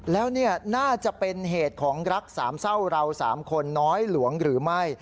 แล้วเนี่ยน่าจะเป็นเหตุของรักสามเศร้าเราสามคนน้อยหลวงหรือไม่